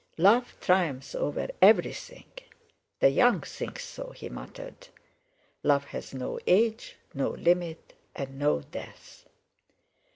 "Love triumphs over everything!" "The young think so," he muttered. "Love has no age, no limit, and no death."